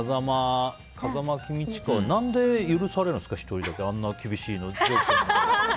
「風間公親」は何で許されるんですか１人だけあんな厳しいの。